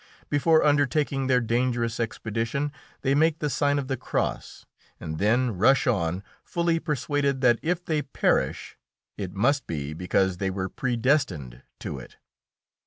Before undertaking their dangerous expedition they make the sign of the cross, and then rush on, fully persuaded that if they perish it must be because they were predestined to it.